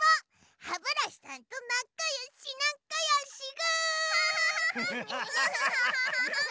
ハブラシさんとなかよしなかよしぐ！